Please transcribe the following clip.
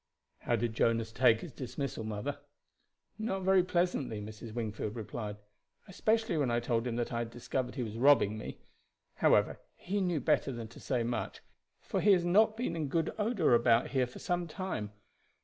"How did Jonas take his dismissal, mother?" "Not very pleasantly," Mrs. Wingfield replied; "especially when I told him that I had discovered he was robbing me. However, he knew better than to say much, for he has not been in good odor about here for some time.